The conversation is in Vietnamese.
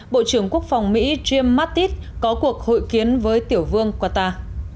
bộ trưởng quốc phòng mỹ james mattis có cuộc hội kiến với tiểu vương qatar